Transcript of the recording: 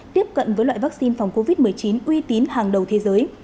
tiếp cận với loại vaccine phòng covid một mươi chín uy tín hàng đầu thế giới